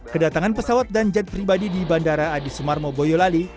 kedatangan pesawat dan jet pribadi di bandara adi sumarmo boyolali